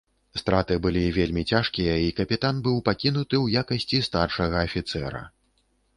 Страты былі вельмі цяжкія, і капітан быў пакінуты ў якасці старшага афіцэра.